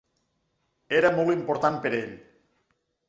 Era molt important per ell.